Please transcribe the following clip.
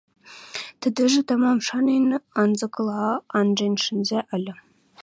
Тӹдӹжӹ, тамам шанен, анзыкыла анжен шӹнзӓ ыльы.